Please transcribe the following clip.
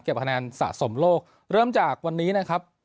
คะแนนสะสมโลกเริ่มจากวันนี้นะครับ